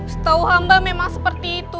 setahu amba memang seperti itu